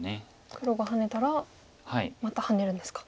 黒がハネたらまたハネるんですか。